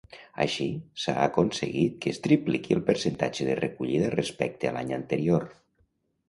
Així, s'ha aconseguit que es tripliqui el percentatge de recollida respecte a l'any anterior.